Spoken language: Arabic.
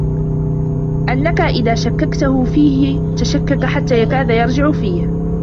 أَنَّك إذَا شَكَّكْتَهُ فِيهِ تَشَكَّكَ حَتَّى يَكَادَ يَرْجِعُ فِيهِ